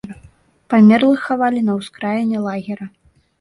Памерлых хавалі на ўскраіне лагера.